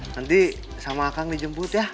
nanti sama kang dijemput ya